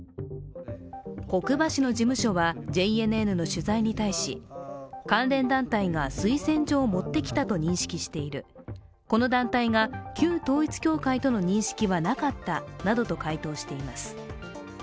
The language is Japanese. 国場氏の事務所はＪＮＮの取材に対し関連団体が推薦状を持ってきたと認識している、この団体が旧統一教会との認識はなかったなどと回答しています。